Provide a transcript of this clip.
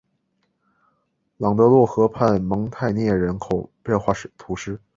朗德洛河畔蒙泰涅人口变化图示